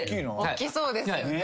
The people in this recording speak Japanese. おっきそうですよね。